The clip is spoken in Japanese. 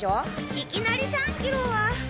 いきなり３キロは。